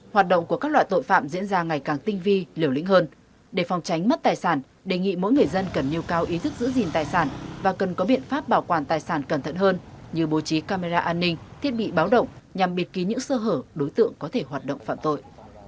hoạt động của các loại tội phạm diễn ra ngày càng tinh vi liều lĩnh hơn để phòng tránh mất tài sản đề nghị mỗi người dân cần nhiều cao ý thức giữ gìn tài sản và cần có biện pháp bảo quản tài sản cẩn thận hơn như bố trí camera an ninh thiết bị báo động nhằm biệt ký những sơ hở đối tượng có thể hoạt động phạm tội